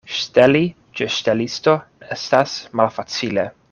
Ŝteli ĉe ŝtelisto estas malfacile.